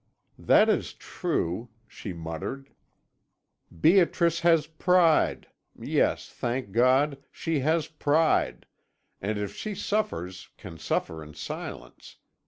"'That is true,' she muttered. 'Beatrice has pride yes, thank God, she has pride, and if she suffers can suffer in silence.